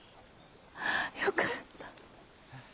よかった。